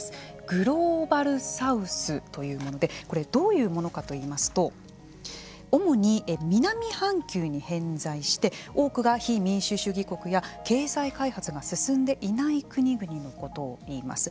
グローバルサウスというものでこれはどういうものかといいますと主に南半球に偏在して多くが非民主主義国や経済開発が進んでいない国々のことを言います。